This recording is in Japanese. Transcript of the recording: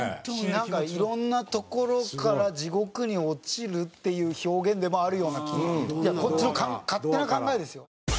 なんかいろんな所から地獄に落ちるっていう表現でもあるようないやこっちの勝手な考えですよ。